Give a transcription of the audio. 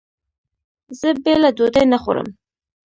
زه بېله ډوډۍ نه خورم.